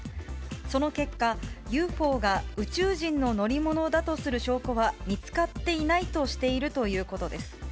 その結果、ＵＦＯが宇宙人の乗り物だとする証拠は見つかっていないとしているということです。